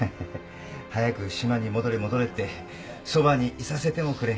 早く島に戻れ戻れってそばにいさせてもくれん。